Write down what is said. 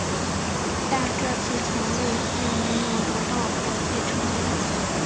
但这次传位并没有得到国际承认。